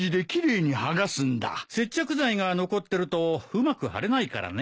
接着剤が残ってるとうまく張れないからね。